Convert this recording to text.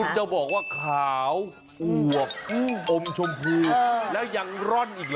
จะบอกว่าขาวอวบอมชมพูแล้วยังร่อนอีกเหรอ